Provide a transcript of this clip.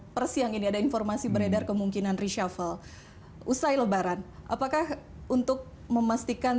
persiang ini ada informasi beredar kemungkinan reshuffle usai lebaran apakah untuk memastikan